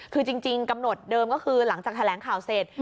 คือจริงกำหนดเดิมก็คือหลังจากแถลงข่าวเสร็จ